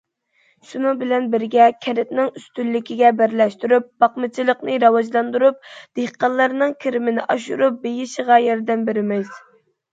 شۇنىڭ بىلەن بىرگە، كەنتنىڭ ئۈستۈنلۈكىگە بىرلەشتۈرۈپ، باقمىچىلىقنى راۋاجلاندۇرۇپ، دېھقانلارنىڭ كىرىمىنى ئاشۇرۇپ، بېيىشىغا ياردەم بېرىمىز.